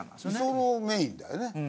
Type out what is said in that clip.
居候メインだよね。